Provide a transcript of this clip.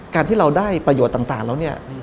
การที่เราได้ประโยชน์ต่างแล้วเนี่ย